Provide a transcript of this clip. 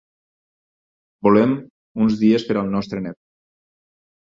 Volem uns dies per al nostre net.